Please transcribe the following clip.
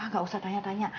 gak usah tanya tanya